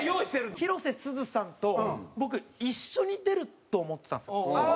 広瀬すずさんと僕一緒に出ると思ってたんですよ。